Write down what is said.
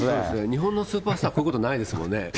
日本のスーパースター、こういうことないですもんね。